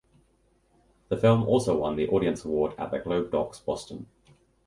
The film also won the Audience Award at the Globe Docs Boston.